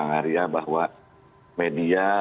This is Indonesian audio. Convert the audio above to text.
bang arya bahwa media